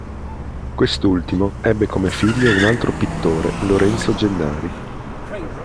Quest'ultimo ebbe come figlio un altro pittore Lorenzo Gennari.